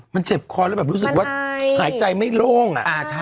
มันเจ็บคอแล้วแบบรู้สึกว่าหายใจไม่โล่ง